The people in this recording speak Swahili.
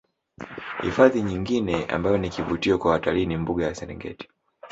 Hifandhi nyingine ambayo ni kivutio kwa watalii ni mbuga ya Serengeti